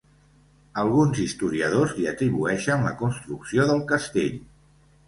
Alguns historiadors li atribueixen la construcció del castell.